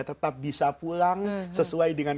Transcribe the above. tetap bisa pulang sesuai dengan